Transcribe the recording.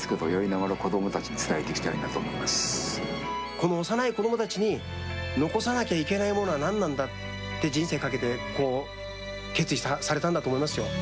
この幼い子どもたちに残さなきゃいけないものは何なんだって人生かけて決意されたんだと思いますよ。